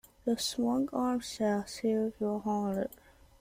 This strong arm shall shield your honor.